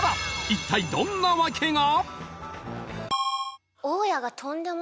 一体どんな訳が？